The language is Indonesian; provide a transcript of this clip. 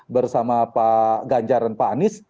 bersama pak ganjar dan pak anies